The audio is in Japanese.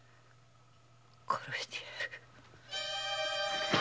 殺してやる！